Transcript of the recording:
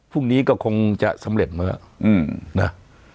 พรุ่งนี้ก็คงจะสำเร็จมาแล้วนะ